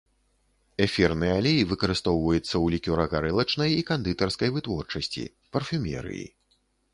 Эфірны алей выкарыстоўваецца у лікёра-гарэлачнай і кандытарскай вытворчасці, парфумерыі.